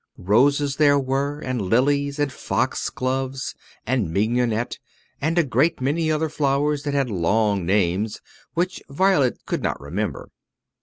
Roses there were, and lilies, and fox gloves, and mignonette, and a great many other flowers that had long names, which Violet could not remember.